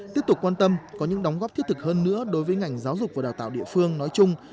tiếp tục quan tâm có những đóng góp thiết thực hơn nữa đối với ngành giáo dục và đào tạo địa phương nói chung